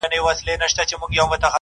نن به یې ستره او سنګینه تنه-